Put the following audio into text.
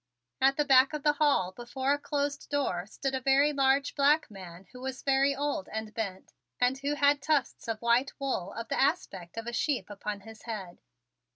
At the back of the hall before a closed door stood a very large black man who was very old and bent and who had tufts of white wool of the aspect of a sheep upon his head.